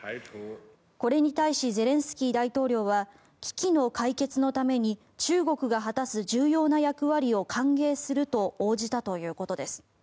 これに対しゼレンスキー大統領は危機の解決のために中国が果たす重要な役割を歓迎すると応じたということです。